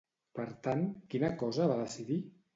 Per tant, quina cosa va decidir?